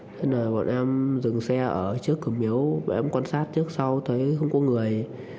thế là bọn em dừng xe ở trước cổng biếu bọn em quan sát trước sau thấy không có người